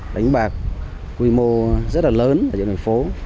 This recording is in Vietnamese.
đánh bạc quy mô rất là lớn ở những đường phố